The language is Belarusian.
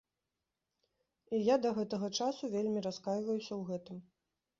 І я да гэтага часу вельмі раскайваюся ў гэтым.